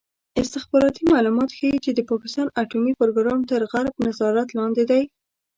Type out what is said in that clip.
استخباراتي معلومات ښيي چې د پاکستان اټومي پروګرام تر غرب نظارت لاندې دی.